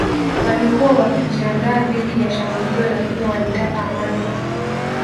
Walikuwa wakijiandaa dhidi ya shambulio lakini walitaka amani